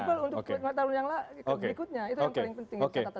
possible untuk lima tahun berikutnya itu yang paling penting